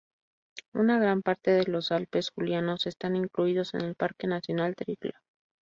Una gran parte de los Alpes julianos están incluidos en el Parque nacional Triglav.